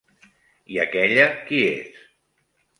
I aquella, qui és?